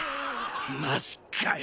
マジかよ